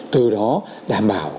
từ đó đảm bảo